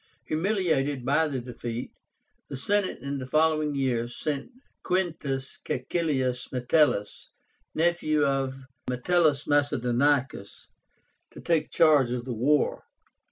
Humiliated by the defeat, the Senate in the following year sent QUINTUS CAECILIUS METELLUS, nephew of Metellus Macedonicus, to take charge of the war.